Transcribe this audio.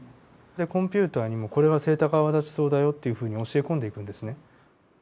でコンピューターにもこれはセイタカアワダチソウだよっていうふうに教え込んでいくんですね。